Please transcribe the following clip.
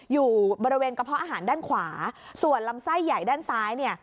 อยู่บริเวณกระเพาะอาหารด้านขวาส่วนลำไส้ใหญ่ด้านซ้ายเนี่ย